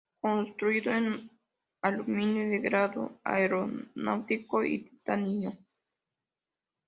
Construido en aluminio de grado aeronáutico y titanio.